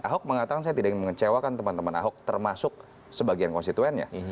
ahok mengatakan saya tidak ingin mengecewakan teman teman ahok termasuk sebagian konstituennya